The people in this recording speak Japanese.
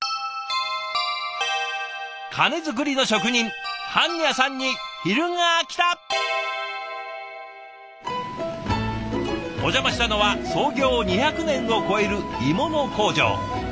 鐘作りの職人お邪魔したのは創業２００年を超える鋳物工場。